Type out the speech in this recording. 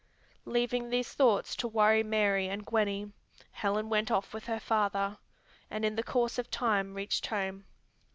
Leaving these thoughts to worry Mary and Gwenny, Helen went off with her father, and in the course of time reached home.